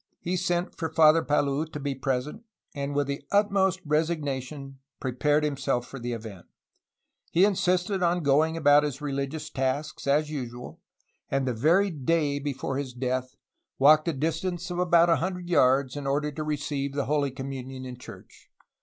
He sent for Father Palou to be present, and with the utmost resignation prepared himself for the event. He insisted upon going about his religious tasks as usual, and the very day before his death walked a distance of about a hundred yards in order to receive the Holy Communion in church.